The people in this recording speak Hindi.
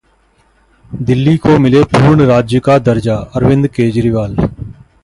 दिल्ली को मिले पूर्ण राज्य का दर्जा: अरविंद केजरीवाल